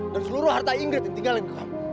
dan seluruh harta ingrid yang tinggal di buku kamu